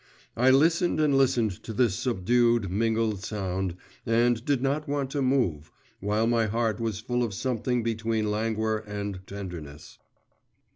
I listened and listened to this subdued, mingled sound, and did not want to move, while my heart was full of something between languor and tenderness.